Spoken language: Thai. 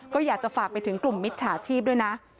ก็อยากจะฝากไปถึงกลุ่มมิจฉาชีพด้วยนะ